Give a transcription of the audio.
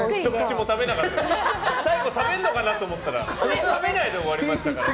最後食べるのかなと思ったら食べないで終わりましたから。